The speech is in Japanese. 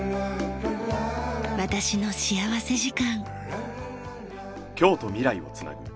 『私の幸福時間』。